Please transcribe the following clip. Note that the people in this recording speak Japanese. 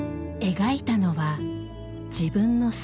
描いたのは自分の姿。